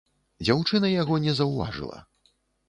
Дзяўчына яго не заўважыла.